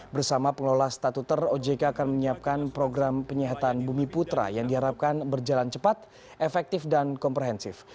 bersama pengelola statuter ojk akan menyiapkan program penyihatan bumi putra yang diharapkan berjalan cepat efektif dan komprehensif